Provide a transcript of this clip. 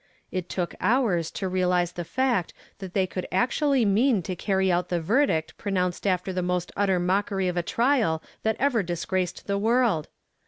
It took hours to realize the fact that they could ac tually mean to carry out the verdict pronounced after the most utter mockery of a trial that ever disgraced the world.